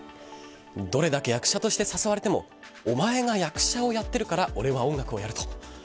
どれだけ役者として誘われてもお前が役者をやってるから俺は音楽をやると。